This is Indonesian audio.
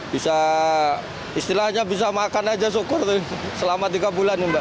bisa istilahnya bisa makan aja syukur selama tiga bulan nih mbak